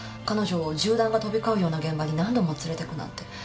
彼女を銃弾が飛び交うような現場に何度も連れてくなんて。